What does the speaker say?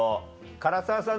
唐沢さん